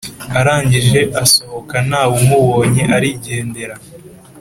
arangije asohoka ntawe umubonye arigendera